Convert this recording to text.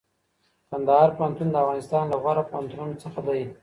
کندهار پوهنتون د افغانستان له غوره پوهنتونونو څخه دئ.